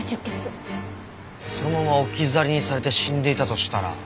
そのまま置き去りにされて死んでいたとしたら。